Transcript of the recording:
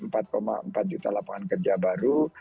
menopang dalam penciptaan empat empat juta lapangan kerja baru